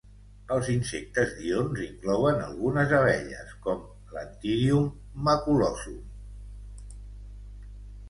Els insectes diürns inclouen algunes abelles, com l'Anthidium maculosum.